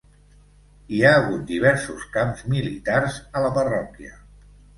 Hi ha hagut diversos camps militars a la parròquia.